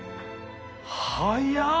早っ！